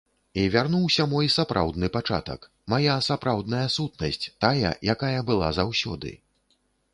І вярнуўся мой сапраўдны пачатак, мая сапраўдная сутнасць, тая, якая была заўсёды.